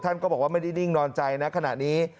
ก็บอกว่าไม่ได้นิ่งนอนใจนะขณะนี้